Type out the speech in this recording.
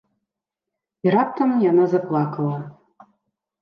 І раптам яна заплакала.